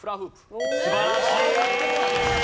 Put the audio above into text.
素晴らしい！